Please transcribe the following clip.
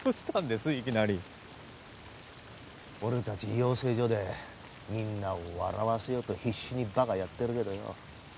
俺たち養成所でみんなを笑わせようと必死に馬鹿やってるけどよ